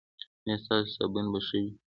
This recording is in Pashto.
ایا ستاسو صابون به ښه وي؟